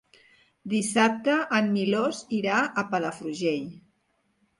Dissabte en Milos irà a Palafrugell.